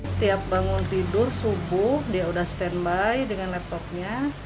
setiap bangun tidur subuh dia sudah standby dengan laptopnya